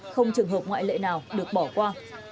không trường hợp ngoại lệ nào được bỏ qua